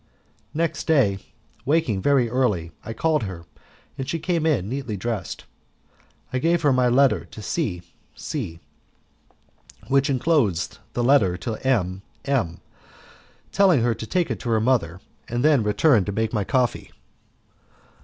Next day, waking very early, I called her, and she came in neatly dressed. I gave her my letter to C C , which enclosed the letter to M M , telling her to take it to her mother and then to return to make my coffee.